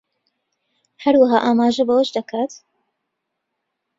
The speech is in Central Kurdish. هەروەها ئاماژە بەوەش دەکات